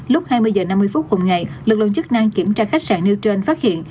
lúc hai mươi giờ năm mươi phút cùng ngày lực lượng chức năng kiểm tra khách sạn newton phát hiện